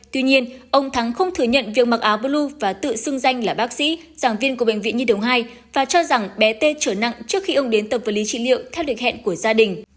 tuy nhiên ông thắng không thừa nhận việc mặc áo blue và tự xưng danh là bác sĩ giảng viên của bệnh viện nhi đồng hai và cho rằng bé tê trở nặng trước khi ông đến tập vật lý trị liệu theo lịch hẹn của gia đình